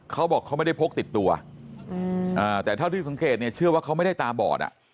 เขาบอกเขาไม่ได้พกติดตัวแต่เท่าที่สังเกตเนี่ยเชื่อว่าเขาไม่ได้ตาบอดอ่ะ